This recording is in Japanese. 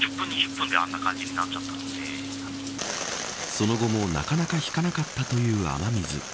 その後も、なかなかひかなかったという雨水。